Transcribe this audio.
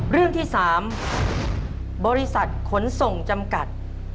เรื่องที่๓บริษัทขนส่งจำกัด